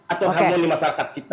atau harmoni masyarakat kita